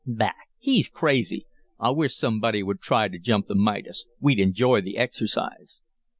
"Bah! He's crazy! I wish somebody would try to jump the Midas; we'd enjoy the exercise."